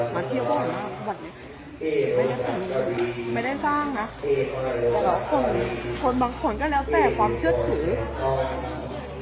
มาเที่ยวก็บอกว่าไม่ได้สร้างนะแต่ละคนคนบางคนก็แล้วแต่ความเชื่อถือ